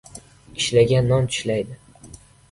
• Ishlagan non tishlaydi.